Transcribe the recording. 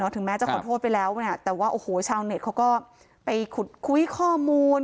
ถึงแม้จะขอโทษไปแล้วแต่ว่าชาวเน็ตเขาก็ไปคุยข้อมูล